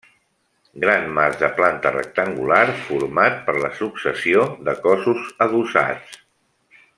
Gran mas de planta rectangular format per la successió de cossos adossats.